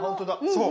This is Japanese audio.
そう。